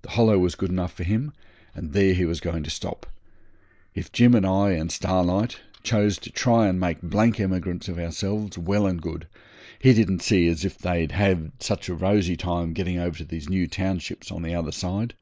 The Hollow was good enough for him, and there he was going to stop. If Jim and I and Starlight chose to try and make blank emigrants of ourselves, well and good. He didn't see as they'd have such a rosy time getting over to these new townships on the other side.